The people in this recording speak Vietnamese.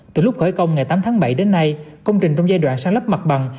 từ lúc khởi công ngày tám tháng bảy đến nay công trình trong giai đoạn sáng lấp mặt bằng